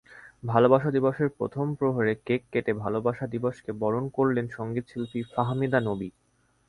ভালোবাসা দিবসের প্রথম প্রহরে কেক কেটে ভালোবাসা দিবসকে বরণ করলেন সংগীতশিল্পী ফাহমিদা নবী।